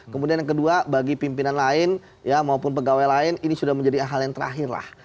kemudian yang kedua bagi pimpinan lain maupun pegawai lain ini sudah menjadi hal yang terakhir lah